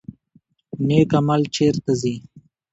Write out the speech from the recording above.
نیک عمل چیرته ځي؟